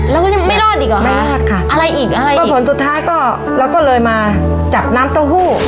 แล้วก็ยังไม่รอดอีกเหรอคะไม่รอดค่ะอะไรอีกอะไรก็ผลสุดท้ายก็เราก็เลยมาจับน้ำเต้าหู้